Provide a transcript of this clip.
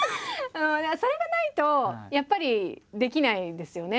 それがないとやっぱりできないですよね。